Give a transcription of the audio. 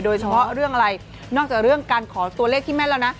โดยเฉพาะเรื่องอะไรนอกจากเรื่องการขอตัวเลขที่แม่นแล้วนะ